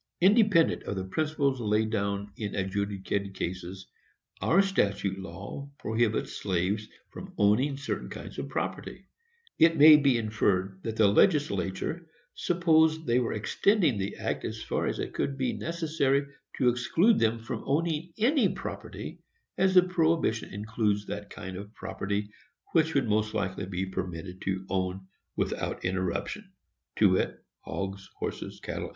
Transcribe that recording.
Independent of the principles laid down in adjudicated cases, our statute law prohibits slaves from owning certain kinds of property; and it may be inferred that the legislature supposed they were extending the act as far as it could be necessary to exclude them from owning any property, as the prohibition includes that kind of property which they would most likely be permitted to own without interruption, to wit: hogs, horses, cattle, &c.